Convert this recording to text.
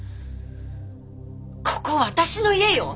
ここは私の家よ！